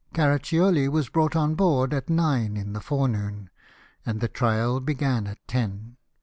Caraccioli was brought on board at nine in the forenoon, and the trial began at ten.